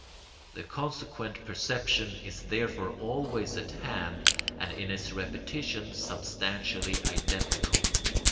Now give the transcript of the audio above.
The consequent perception is therefore always at hand and in its repetitions substantially identical.